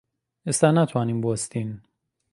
ئێستا ناتوانین بوەستین.